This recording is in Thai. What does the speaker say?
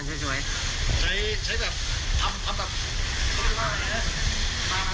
ใช้แบบคลับตัป